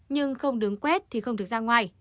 nhưng không đứng quét thì không được ra ngoài